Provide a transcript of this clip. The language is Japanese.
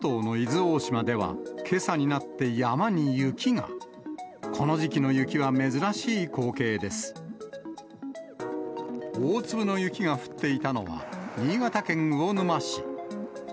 大粒の雪が降っていたのは新潟県魚沼市。